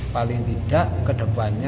paling tidak ke depannya